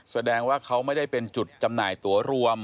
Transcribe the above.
แสดงว่าเขาไม่ได้เป็นจุดจำหน่ายตัวรวม